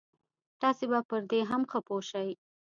تاسې به پر دې هم ښه پوه شئ.